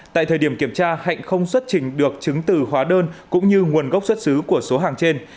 tại thời điểm kiểm tra hạnh không xuất trình được chứng từ hóa đơn cũng như nguồn gốc xuất xứ của số hàng trên